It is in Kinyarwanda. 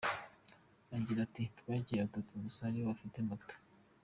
Agira ati “Twangiye batatu gusa aribo bafite moto.